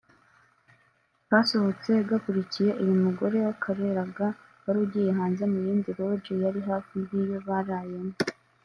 kasohotse gakurikiye uyu mugore wakareraga wari ugiye hanze mu yindi Lodge yari hafi y’iyo barayemo